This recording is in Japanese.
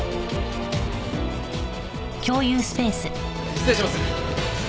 失礼します。